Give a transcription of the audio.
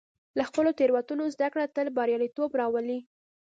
له خپلو تېروتنو زده کړه تل بریالیتوب راولي.